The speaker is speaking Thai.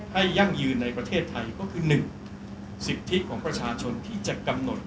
ยั่งยืนในประเทศไทยก็คือ๑สิทธิของประชาชนที่จะกำหนด